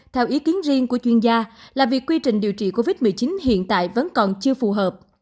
theo ý kiến riêng của chuyên gia là việc quy trình điều trị covid một mươi chín hiện tại vẫn còn chưa phù hợp